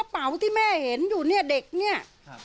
เป๋าที่แม่เห็นอยู่เนี่ยเด็กเนี่ย